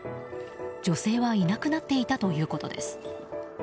女性はいなくなっていたということです。